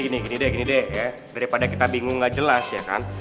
gini gini deh gini deh ya daripada kita bingung gak jelas ya kan